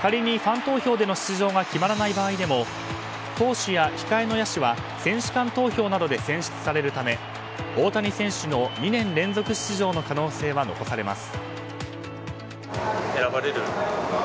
仮にファン投票での出場が決まらない場合でも投手や控えの野手は選手間投票などで選出されるため大谷選手の２年連続出場の可能性は残されます。